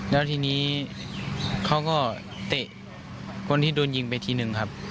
แล้วทีนี้เขาก็เตะคนที่โดนยิงไปทีนึงครับ